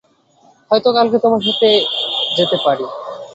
হয়তো, কালকে তোমার সাথে যেতে পারি।